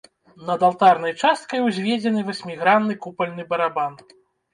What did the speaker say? Над алтарнай часткай узведзены васьмігранны купальны барабан.